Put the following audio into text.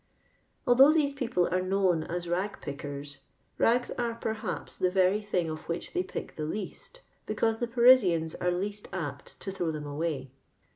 Although these people are known as rag pickers, rags are, perhaps, the very thing of which they pick the least, becausi the Parisians are least apt to throw them away.